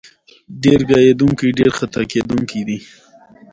آمو سیند د افغانانو د تفریح یوه وسیله ده.